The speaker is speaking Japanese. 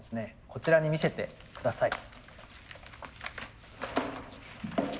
こちらに見せて下さい。